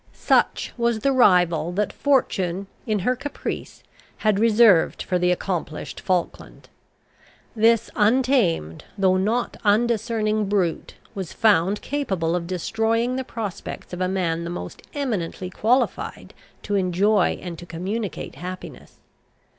Such was the rival that Fortune, in her caprice, had reserved for the accomplished Falkland. This untamed, though not undiscerning brute, was found capable of destroying the prospects of a man the most eminently qualified to enjoy and to communicate happiness.